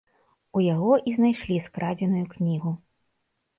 У яго і знайшлі скрадзеную кнігу.